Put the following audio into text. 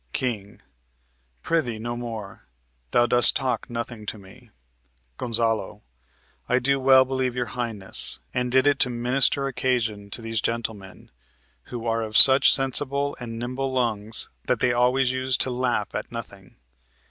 King. Pr'ythee, no more; thou dost talk nothing to me. Gon. I do well believe your Highness; and did it to minister occasion to these gentlemen, who are of such sensible and nimble lungs that they always use to laugh at nothing.